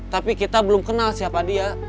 tapi kita belum kenal siapa dia